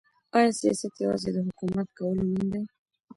آیا سیاست یوازي د حکومت کولو نوم دی؟